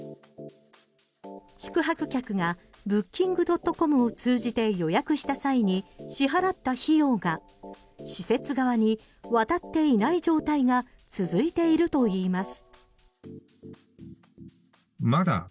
宿泊客がブッキングドットコムを通じて予約した際に支払った費用が施設側に渡っていない状態が続いているといいます。